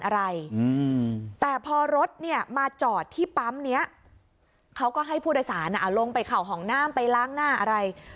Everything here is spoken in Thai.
อะไรแต่พอรถเนี่ยมาจอดที่ปั๊มนี้เขาก็ให้ผู้โดยสารลงไปเข่าห้องน้ำไปล้างหน้าอะไร